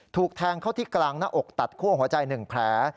ถูกแทงเข้าที่กลางหน้าอกตัดคั่วหัวใจ๑แผล